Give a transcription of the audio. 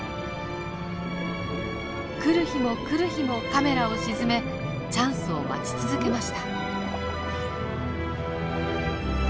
来る日も来る日もカメラを沈めチャンスを待ち続けました。